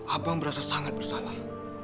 abang merasa sangat bersalah